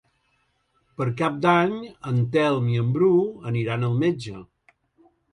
Per Cap d'Any en Telm i en Bru aniran al metge.